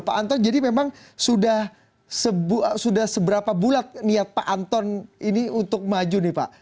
pak anton jadi memang sudah seberapa bulat niat pak anton ini untuk maju nih pak